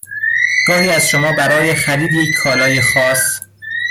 گاهی ازشما برای خرید یک کالای خاص